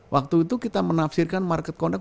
waktu itu kita menafsirkan market conduct